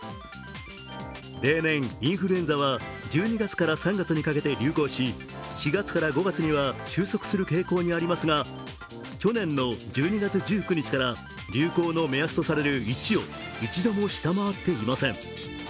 例年、インフルエンザは１２月から３月にかけて流行し４月から５月には収束する傾向にありますが去年の１２月１９日から流行の目安とされる１を一度も下回っていません。